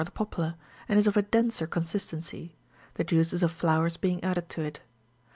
7 the poplar, and is of a denser consistency, the juices of flowers being added to it.